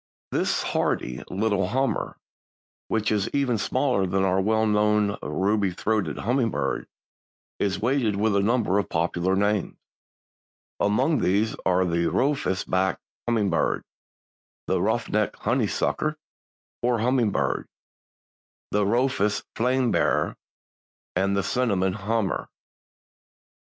_) This hardy little "Hummer," which is even smaller than our well known ruby throated hummingbird, is weighted with a number of popular names. Among these are the "Rufous backed Hummingbird," the "Ruff necked Honeysucker, or Hummingbird," the "Rufous Flame bearer" and the "Cinnamon Hummer."